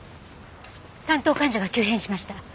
担当患者が急変しました。